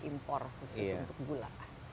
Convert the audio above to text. impor khusus untuk gula